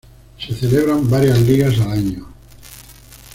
Se celebran varias ligas al año.